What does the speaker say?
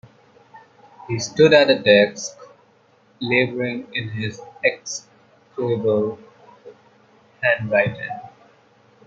He stood at the desk, labouring in his execrable handwriting.